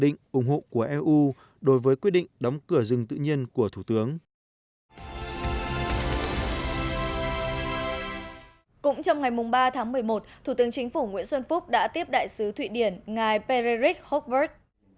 cũng trong ngày ba tháng một mươi một thủ tướng chính phủ nguyễn xuân phúc đã tiếp đại sứ thụy điển ngài perrec horkvret